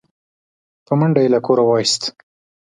په منډه يې له کوره و ايست